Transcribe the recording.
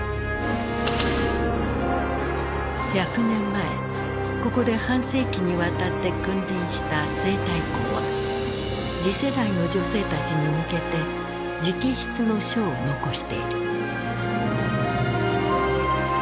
１００年前ここで半世紀にわたって君臨した西太后は次世代の女性たちに向けて直筆の書を残している。